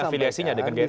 afiliasinya dengan gerindra